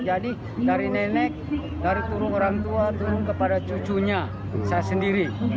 jadi dari nenek dari turun orang tua turun kepada cucunya saya sendiri